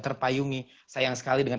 terpayungi sayang sekali dengan